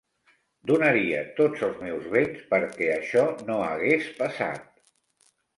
Donaria tots els meus béns perquè això no hagués passat!